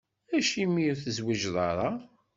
Acimi ur tezwiǧeḍ ara?